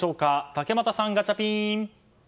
竹俣さん、ガチャピン！